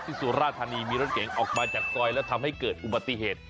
สุราธานีมีรถเก๋งออกมาจากซอยแล้วทำให้เกิดอุบัติเหตุ